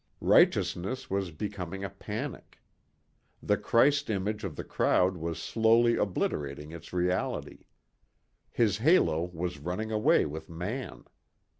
Righteousness was becoming a panic. The Christ image of the crowd was slowly obliterating its reality. His halo was running away with man.